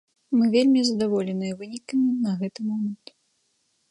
Мы вельмі задаволеныя вынікамі на гэты момант.